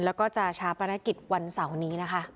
แล้วก็จะชาปนกิจวันเสาร์นี้นะคะ